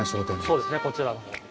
そうですねこちら。